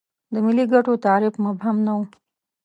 د ملي ګټو تعریف مبهم نه و.